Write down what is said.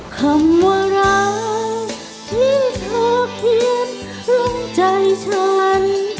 คำว่าร้ายที่เธอเขียนลงใจฉัน